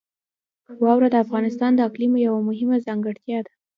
واوره د افغانستان د اقلیم یوه مهمه ځانګړتیا ده.